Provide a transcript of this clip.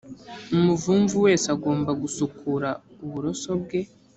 umuvumvu wese agomba gusukura uburoso bwe